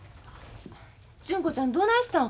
純子ちゃんどないしたん？